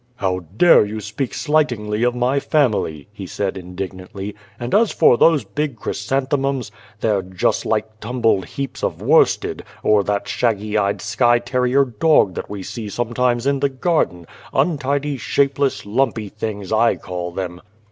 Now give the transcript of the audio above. "How dare you speak slightingly of my family !" he said indignantly. " And as for those big chrysanthemums ! they're just like tumbled heaps of worsted, or that shaggy The Garden of God eyed skye terrier dog that we see sometimes in the garden untidy, shapeless, lumpy things / call them